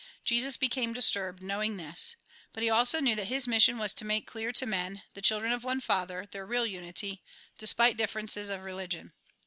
Jesus became disturbed, knowing this ; but he also knew that his mission was to make clear to men, the children of one Father, their real unity, despite differences of religion.